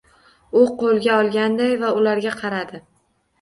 U qo’lga olganday va ularga qaradi.